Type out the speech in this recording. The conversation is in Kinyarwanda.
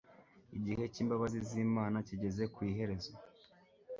igihe cy'imbabazi z'Imana kigeze ku iherezo,